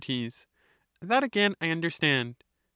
That again I understand.